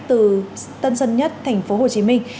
từ tân sân nhất thành phố hồ chí minh